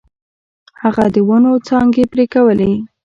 هغه د ونو څانګې پرې کولې.